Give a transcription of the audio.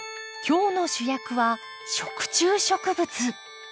今日の主役は食虫植物。